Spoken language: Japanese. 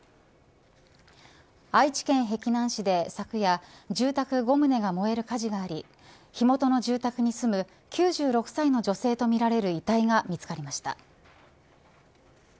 愛知県碧南市で昨夜住宅５棟が燃える火事があり火元の住宅に住む９６歳の女性とみられる遺体が見つかりました。